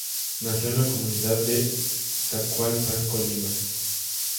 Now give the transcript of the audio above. Nació en la comunidad de Zacualpan, Colima.